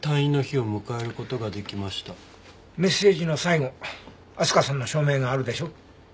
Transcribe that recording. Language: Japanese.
メッセージの最後あすかさんの署名があるでしょ？